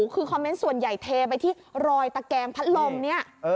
คือคอมเมนต์ส่วนใหญ่เทไปที่รอยตะแกงพัดลมเนี่ย